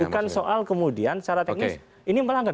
bukan soal kemudian secara teknis ini melanggar